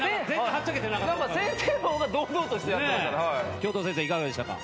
教頭先生いかがでしたか？